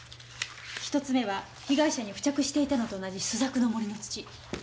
一つ目は被害者に付着していたのと同じ朱雀の森の土。